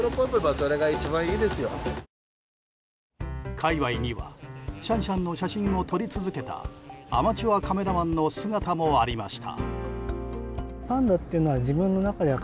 界隈にはシャンシャンの写真を撮り続けたアマチュアカメラマンの姿もありました。